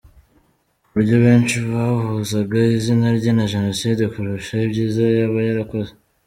Ku buryo benshi bahuzaga izina rye na Genocide kurusha ibyiza yaba yarakoze.